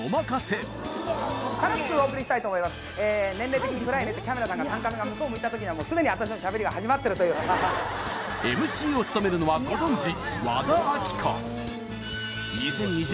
楽しくお送りしたいと思いますえ年齢的に暗いねってキャメラさんが３カメが向こう向いた時にはすでに私の喋りが始まってるというＭＣを務めるのはご存じ